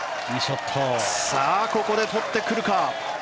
ここで取ってくるか。